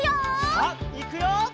さあいくよ！